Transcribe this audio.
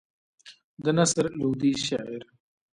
د نصر لودي شعر.